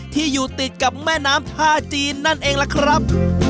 ที่อยู่ติดกับแม่น้ำท่าจีนนั่นเองล่ะครับ